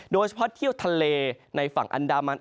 โดยเฉพาะเที่ยวทะเลในฝั่งอันดามัน